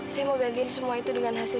saya mau bagiin semua itu dengan hasil